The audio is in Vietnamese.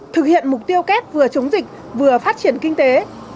thực hiện mục tiêu kép vừa chống dịch vừa phát triển kinh tế